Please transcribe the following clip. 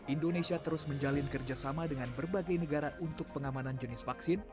indonesia terus menjalin kerjasama dengan berbagai negara untuk pengamanan jenis vaksin